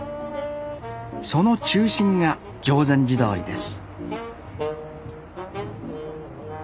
その中心が定禅寺通です